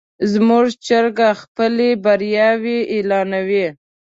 زموږ چرګه خپلې بریاوې اعلانوي.